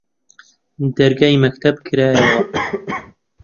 دەرگای مەکتەب کرایەوە